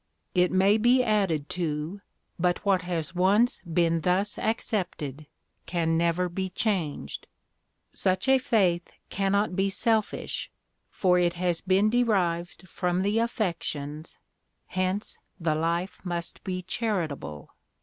It may be added to, but what has once been thus accepted can never be changed. Such a faith cannot be selfish, for it has been derived from the affections, hence the life must be charitable.